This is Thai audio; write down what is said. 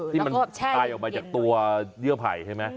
ที่มันตายออกมาจากตัวเยื่อไผ่ใช่ไหม